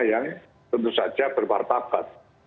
yang tentu saja berpartabat